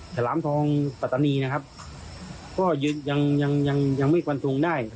ฉลามทองปัตตานีนะครับก็ยังยังยังไม่ฟันทงได้